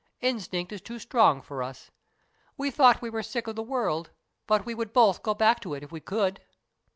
Instinct is too strong for us. We thought we were sick of the world, but we would both go back to it if we could."